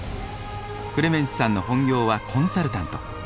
クレメンスさんの本業はコンサルタント。